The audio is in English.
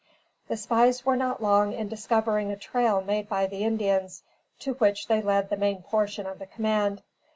The spies were not long in discovering a trail made by the Indians, to which they led the main portion of the command.